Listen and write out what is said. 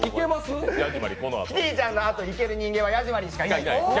キティちゃんのあとにできるのはヤジマリーさんしかいない。